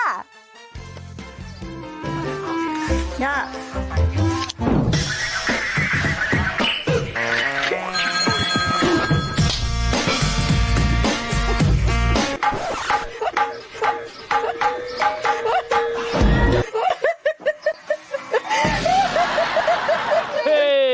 เฮ้ยสุดยาก